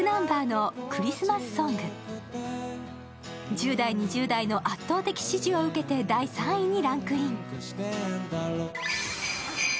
１０代、２０代の圧倒的支持を受けて第３位にランクイン。